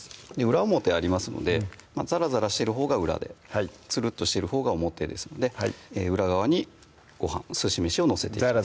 裏表ありますのでザラザラしてるほうが裏でつるっとしてるほうが表ですので裏側にすし飯を載せていきます